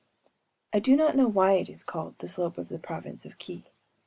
I do not know why it is called the Slope of the Province of Kii.